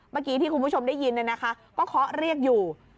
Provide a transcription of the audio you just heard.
เมื่อกี้ที่คุณผู้ชมได้ยินก็เคาะเรียกอยู่